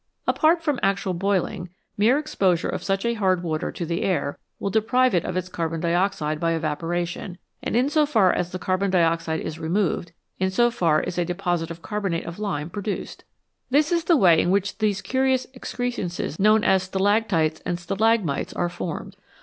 Apart from actual boiling, mere exposure of such a hard water to the air will deprive it of its carbon dioxide by evaporation, and in so far as the carbon dioxide is removed, in so far is a deposit of carbonate of lime pro duced. This is the way in which these curious excrescences known as stalactites and stalagmites are formed.